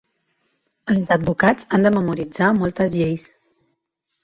Els advocats han de memoritzar moltes lleis.